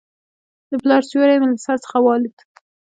د پلار سیوری مې له سر څخه والوت.